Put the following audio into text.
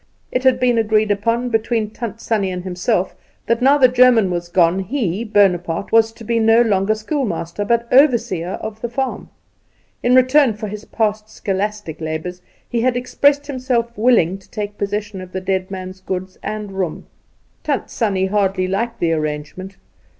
It had been agreed upon between Tant Sannie and himself, that now the German was gone he, Bonaparte, was to be no longer schoolmaster, but overseer of the farm. In return for his past scholastic labours he had expressed himself willing to take possession of the dead man's goods and room. Tant Sannie hardly liked the arrangement.